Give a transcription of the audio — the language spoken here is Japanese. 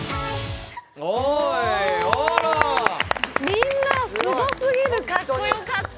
みんなすごすぎる、かっこよかった！